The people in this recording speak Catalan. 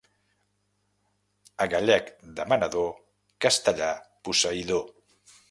A gallec demanador, castellà posseïdor.